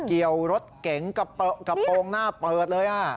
เกี่ยวรถเก๋งกระโปรงหน้าเปิดเลย